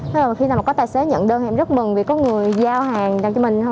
thế là khi nào có tài xế nhận đơn em rất mừng vì có người giao hàng cho mình